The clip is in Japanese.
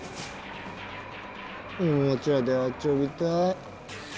おもちゃであちょびたい。